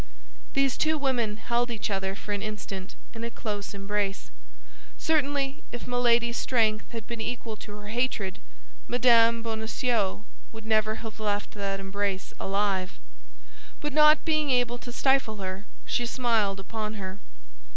These two women held each other for an instant in a close embrace. Certainly, if Milady's strength had been equal to her hatred, Mme. Bonacieux would never have left that embrace alive. But not being able to stifle her, she smiled upon her.